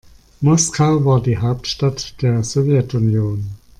Moskau war die Hauptstadt der Sowjetunion.